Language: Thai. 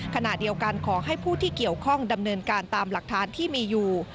ขณะเดียวกันขอให้ผู้ที่เกี่ยวข้องดำเนินการตามหลักฐานที่มีอยู่